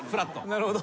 なるほど。